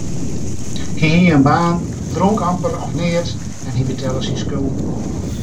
Hy hie in baan, dronk amper of neat en hy betelle syn skulden ôf.